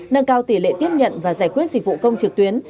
nâng cao tỷ lệ tiếp nhận và giải quyết dịch vụ công trực tuyến